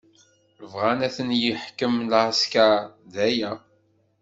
Bɣan ad ten-yeḥkem lɛesker, d aya.